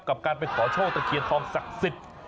กับการไปขอโชคตะเคียนทองศักดิ์สิทธิ์